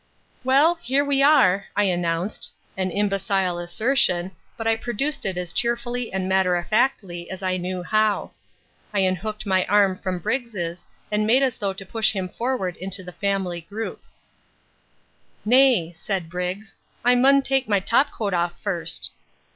"Well, here we are," I announced an imbecile assertion, but I produced it as cheerfully and matter of factly as I knew how. I unhooked my arm from Briggs's, and made as though to push him forward into the family group. "Nay!" said Briggs. "I mun take my top coat off first."